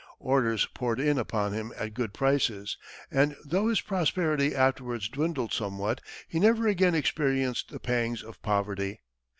Orders poured in upon him at good prices; and though his prosperity afterwards dwindled somewhat, he never again experienced the pangs of poverty.